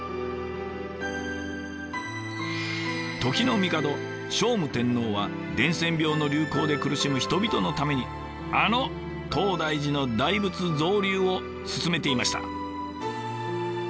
時の帝聖武天皇は伝染病の流行で苦しむ人々のためにあの東大寺の大仏造立を進めていました。